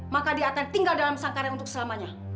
maka dia akan tinggal dalam sangkareng untuk selamanya